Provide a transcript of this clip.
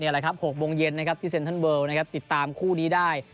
หกโมงเย็นที่เซ็นทันเวิร์ลติดตามคู่นี้ได้